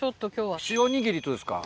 塩にぎりとですか？